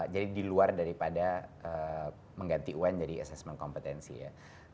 jadi di luar daripada mengganti uan jadi assessment kompetensi ya